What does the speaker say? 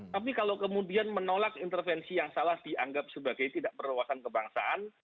tapi kalau kemudian menolak intervensi yang salah dianggap sebagai tidak perluasan kebangsaan